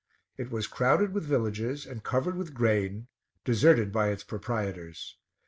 It was crowded with villages and covered with grain, deserted by its proprietors.